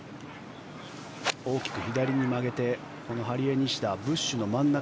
大きく左に曲げてこのハリエニシダブッシュの真ん中。